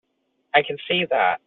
I can see that.